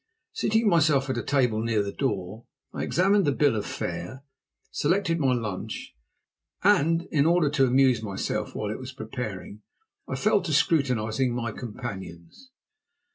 Seating myself at a table near the door, I examined the bill of fare, selected my lunch, and in order to amuse myself while it was preparing, fell to scrutinizing my companions.